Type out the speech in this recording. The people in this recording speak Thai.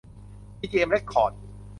พีจีเอ็ม เร็คคอร์ด